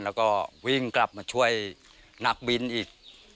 แล้วก็วิ่งกลับมาช่วยนักบินอีก